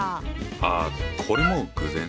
ああこれも偶然。